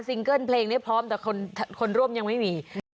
เกิ้ลเพลงนี้พร้อมแต่คนร่วมยังไม่มี